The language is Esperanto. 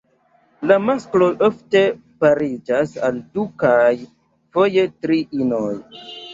La maskloj ofte pariĝas al du kaj foje tri inoj.